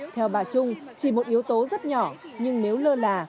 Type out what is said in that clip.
theo bà trung chỉ một yếu tố rất nhỏ nhưng nếu lơ là